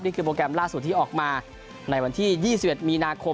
โปรแกรมล่าสุดที่ออกมาในวันที่๒๑มีนาคม